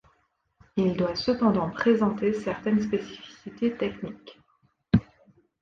Il doit cependant présenter certaines spécificités techniques.